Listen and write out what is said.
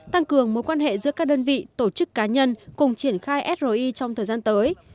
tăng cường mối quan hệ giữa các đơn vị tổ chức cá nhân cùng triển khai sri trong thời gian tới